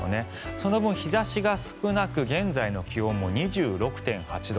その分、日差しが少なく現在の気温も２６．８度。